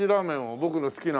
僕の好きな。